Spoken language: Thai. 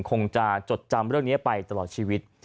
คงจะจดจำเรื่องนี้ไปตลอดชีวิต